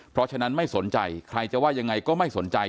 เพราะฉะนั้นไม่สนใจใครจะว่ายังไงก็ไม่สนใจ